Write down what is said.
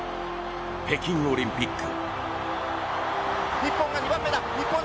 北京オリンピック。